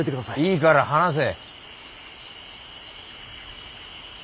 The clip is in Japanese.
いいから話せ。